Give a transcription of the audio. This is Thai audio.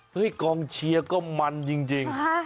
กองเชียร์ก็มันจริง